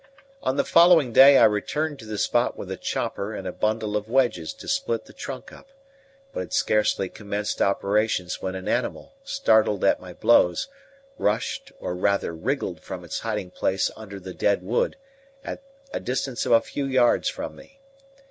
On the following day I returned to the spot with a chopper and a bundle of wedges to split the trunk up, but had scarcely commenced operations when an animal, startled at my blows, rushed or rather wriggled from its hiding place under the dead wood at a distance of a few yards from me.